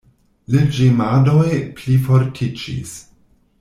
La ĝemadoj plifortiĝis.